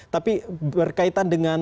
tapi berkaitan dengan